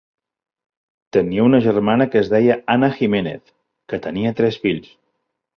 Tenia una germana que es deia Ana Jiménez, que tenia tres fills.